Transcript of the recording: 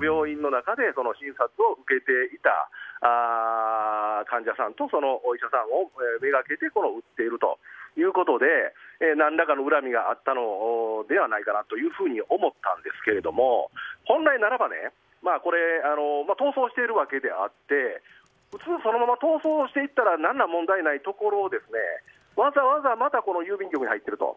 病院の中で診察を受けていた患者さんとそのお医者さんをめがけて撃っているということで何らかの恨みがあったのではないかなと思ったんですけれども本来ならば逃走しているわけであって普通そのまま逃走していったら何ら問題ないところわざわざ郵便局に入っていると。